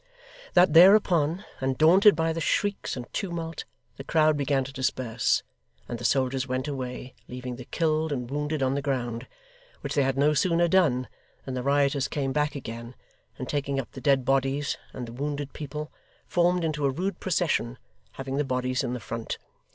That thereupon, and daunted by the shrieks and tumult, the crowd began to disperse, and the soldiers went away, leaving the killed and wounded on the ground: which they had no sooner done than the rioters came back again, and taking up the dead bodies, and the wounded people, formed into a rude procession, having the bodies in the front.